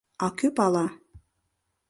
— А кӧ пала?..